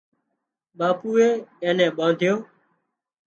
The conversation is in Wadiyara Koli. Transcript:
ٻاپوئي اين نين ٻانڌيو